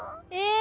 え⁉